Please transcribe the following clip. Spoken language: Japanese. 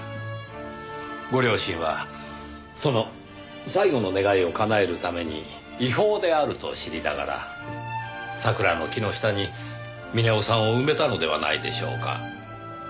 ご両親はその最後の願いをかなえるために違法であると知りながら桜の木の下に峰夫さんを埋めたのではないでしょうか。